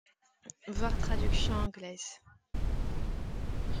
Voir traduction anglaise.